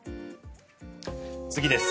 次です。